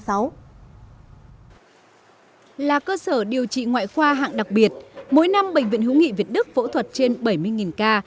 là cơ sở điều trị ngoại khoa hạng đặc biệt mỗi năm bệnh viện hữu nghị việt đức phẫu thuật trên bảy mươi ca